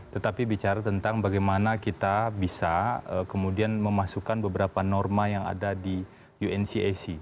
tetapi bicara tentang bagaimana kita bisa kemudian memasukkan beberapa norma yang ada di uncac